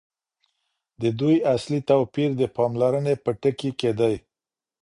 د دوی اصلي توپیر د پاملرني په ټکي کي دی.